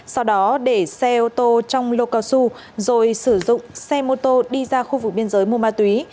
sau đó để xe ô tô trong lô cao su rồi sử dụng xe mô tô đi ra khu vực biên giới mua ma túy